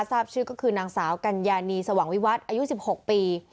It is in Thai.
ทราบชื่อก็คือนางสาวกัญญานีสว่างวิวัฒน์อายุ๑๖ปี